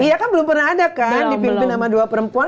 iya kan belum pernah ada kan dipimpin sama dua perempuan